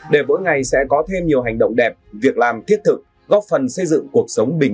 để mỗi ngày sẽ có thêm nhiều hành động đẹp việc làm thiết thực góp phần xây dựng cuộc sống bình yên